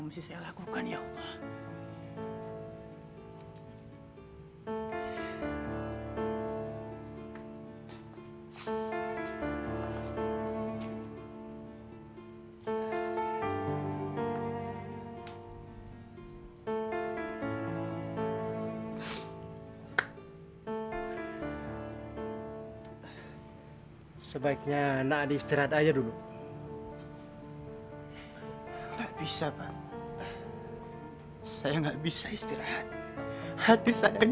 gue gak sengaja